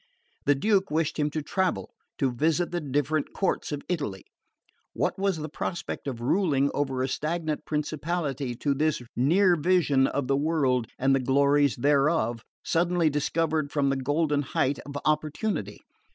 The Duke wished him to travel, to visit the different courts of Italy: what was the prospect of ruling over a stagnant principality to this near vision of the world and the glories thereof, suddenly discovered from the golden height of opportunity?